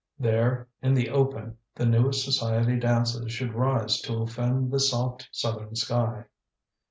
There in the open the newest society dances should rise to offend the soft southern sky.